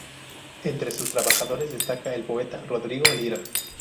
Entre sus trabajadores destacaba el poeta Rodrigo Lira.